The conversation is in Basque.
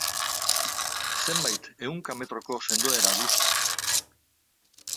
Zenbait ehunka metroko sendoera du.